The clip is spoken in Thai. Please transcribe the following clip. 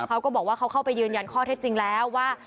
เขาก็บอกว่าเขาเข้าไปยืนยันข้อเท็จจริงแล้วว่า